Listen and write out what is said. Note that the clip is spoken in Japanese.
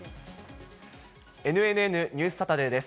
ＮＮＮニュースサタデーです。